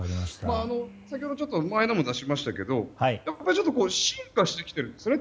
先ほど前にも出しましたけど進化してきているんですね。